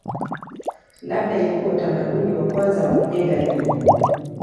Labda ilikuwa utamaduni wa kwanza wa kujenga miji.